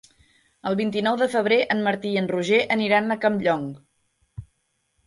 El vint-i-nou de febrer en Martí i en Roger aniran a Campllong.